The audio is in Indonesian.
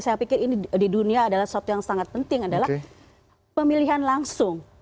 saya pikir ini di dunia adalah sesuatu yang sangat penting adalah pemilihan langsung